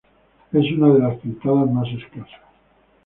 Es una de las pintadas más escasas.